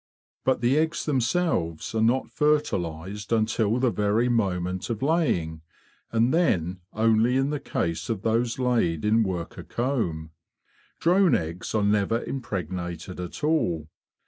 But the eggs themselves are THE QUEEN BEE 99 not fertilised until the very moment of laying, and then only in the case of those laid in worker comb: drone eggs are never impregnated at all.